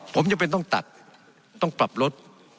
ผมจำเป็นต้องตัดต้องปรับลด